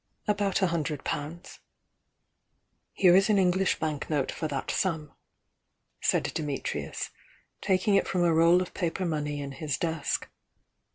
"About a hundred pounds." "Here is an English bank note for that sum," said Dimitrius, taking it from a roll of paper money in his desk.